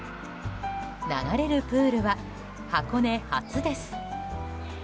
流れるプールは箱根初です。